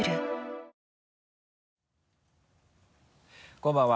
こんばんは。